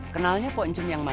kenalnya poncum yang mana